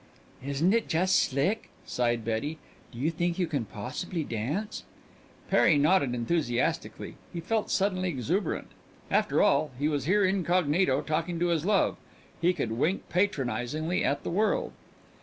"Isn't it just slick!" sighed Betty. "Do you think you can possibly dance?" Perry nodded enthusiastically. He felt suddenly exuberant. After all, he was here incognito talking to his love he could wink patronizingly at the world.